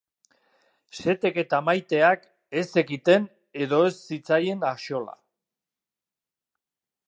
Sethek eta Maiteak ez zekiten edo ez zitzaien axola.